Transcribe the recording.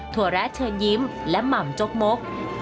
ถั่เชิญยิ้มและหม่ำจกมก